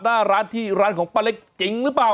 หน้าร้านที่ร้านของป้าเล็กจริงหรือเปล่า